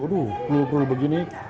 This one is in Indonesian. aduh pelur pelur begini